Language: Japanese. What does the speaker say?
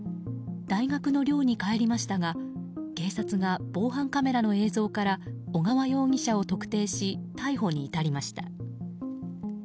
大学の寮に帰りましたが警察が防犯カメラの映像から小川容疑者を特定し逮捕に至りました。